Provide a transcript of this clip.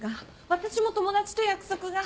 私も友達と約束が。